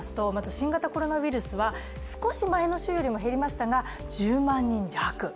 新型コロナウイルスは少し前の週よりも減りましたが１０万人弱。